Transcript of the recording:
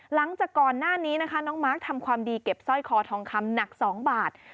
หลังจากก่อนหน้านี้นะคะน้องมาร์คทำความดีเก็บสร้อยคอทองคำหนัก๒บาท